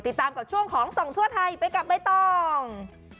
ติดตามกับช่วงของส่องทั่วไทยไปกับใบตอง